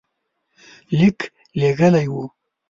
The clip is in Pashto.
لیک لېږلی وو.